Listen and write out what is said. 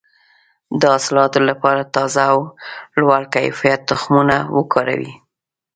د حاصلاتو لپاره تازه او لوړ کیفیت تخمونه وکاروئ.